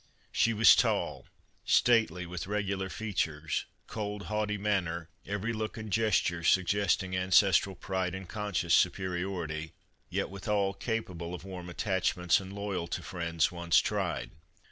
She was tall, stately, with regular features, cold, haughty manner, every look and gesture suggesting ancestral pride and conscious superiority, yet withal capable of warm attachments and loyal to. friends once tried.